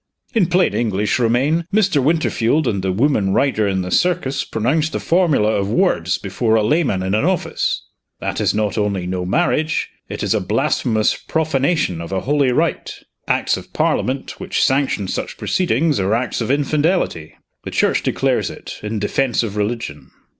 "In plain English, Romayne, Mr. Winterfield and the woman rider in the circus pronounced a formula of words before a layman in an office. That is not only no marriage, it is a blasphemous profanation of a holy rite. Acts of Parliament which sanction such proceedings are acts of infidelity. The Church declares it, in defense of religion."